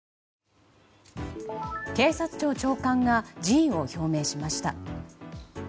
警察庁長官が辞意を表明しました。